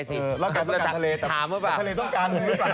ทะเลต้องการมึงหรือเปล่า